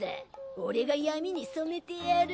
俺が闇に染めてやる。